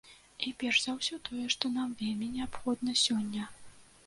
І перш за ўсё тое, што нам вельмі неабходна сёння.